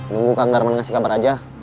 tunggu kang darman ngasih kabar aja